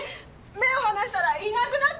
目を離したらいなくなってて。